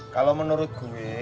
kalau menurut gue